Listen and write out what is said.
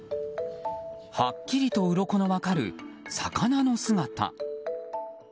はっきりとうろこの分かる魚の姿。